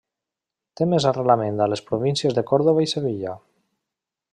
Té més arrelament a les províncies de Còrdova i Sevilla.